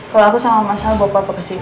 kalau aku sama masya bawa papa ke sini